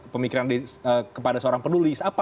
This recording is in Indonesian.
pemikiran kepada seorang penulis